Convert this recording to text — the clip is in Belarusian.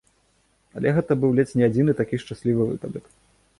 Але гэта быў ледзь не адзіны такі шчаслівы выпадак.